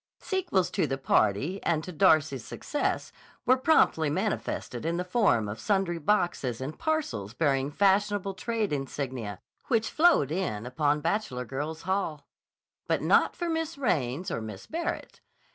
Sequels to the party and to Darcy's success were promptly manifested in the form of sundry boxes and parcels bearing fashionable trade insignia which flowed in upon Bachelor Girls' Hall. But not for Miss Raines or Miss Barrett.